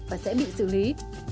và sẽ bị xử lý